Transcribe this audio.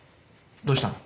どうしたの？